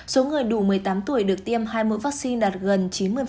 số người đủ một mươi tám tuổi được tiêm hai mũi vaccine đạt gần chín mươi